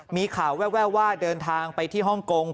มีข่าวแววว่าเดินทางไปที่ฮ่องกง